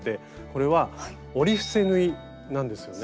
これは「折り伏せ縫い」なんですよね。